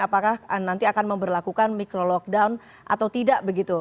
apakah nanti akan memperlakukan micro lockdown atau tidak begitu